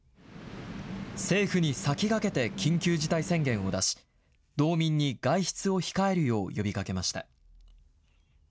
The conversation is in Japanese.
政府に先駆けて緊急事態宣言を出し、道民に外出を控えるよう呼びかけました。